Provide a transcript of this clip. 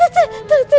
tuh tuh tuh